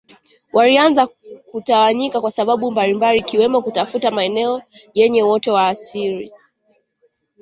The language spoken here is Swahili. Walianza kutawanyika kwa sababu mbalimbali ikiwemo kutafuta maeneo yenye uoto wa asili